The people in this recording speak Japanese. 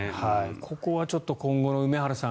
ここはちょっと梅原さん